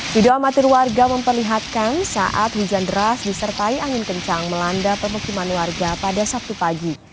video amatir warga memperlihatkan saat hujan deras disertai angin kencang melanda pemukiman warga pada sabtu pagi